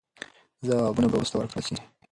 ځوابونه به وروسته ورکړل سي.